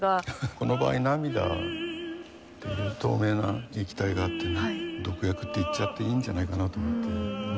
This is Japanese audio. この場合涙っていう透明な液体があってね毒薬って言っちゃっていいんじゃないかなと思って。